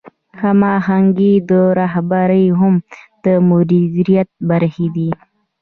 هماهنګي او رهبري هم د مدیریت برخې دي.